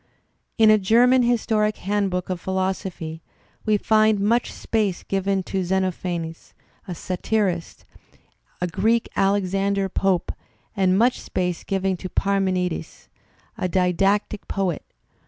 In a German historic handbook of philosophy we find much space given to Xenophanes, a satirist, a Greek Alex ander Pope, and much space given to Parmenides, a didactic poet.